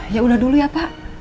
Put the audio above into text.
ya udah dulu ya kak